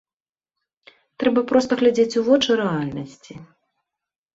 Трэба проста глядзець у вочы рэальнасці.